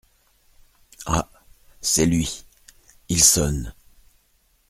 Ah ! c’est lui… il sonne…